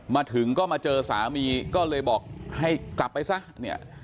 มาถึงก็มาเจอสามีก็เลยบอกให้กลับไปซะเนี่ย